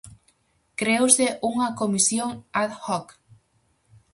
Creouse unha comisión ad hoc.